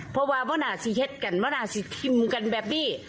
เพราะว่ามันอาจจะชัดกันมันอาจจะทิ้งกันแบบนี้